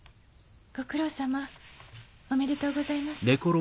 ご苦労さまおめでとうございます。